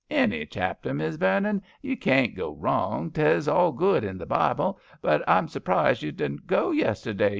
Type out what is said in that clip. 155 '*Any chapter, Miss Vernon, you can't go wrong; 'tes all good in the Bible, But Fm suprised you dedn't go yesterday.